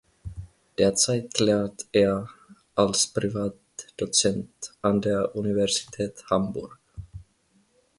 Derzeit lehrt er als Privatdozent an der Universität Hamburg.